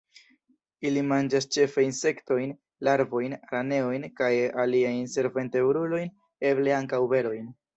Ili manĝas ĉefe insektojn, larvojn, araneojn kaj aliajn senvertebrulojn; eble ankaŭ berojn.